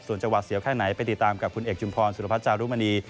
ส่วนจังหวัดเสียวแค่ไหนไปติดตามกับคุณเอกชุมพรสุรพัฒนจารุมณี